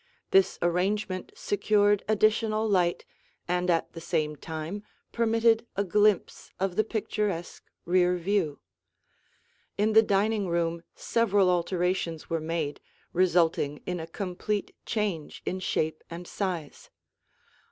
This arrangement secured additional light and at the same time permitted a glimpse of the picturesque rear view. In the dining room several alterations were made, resulting in a complete change in shape and size.